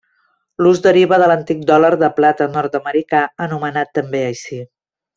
L'ús deriva de l'antic dòlar de plata nord-americà anomenat també així.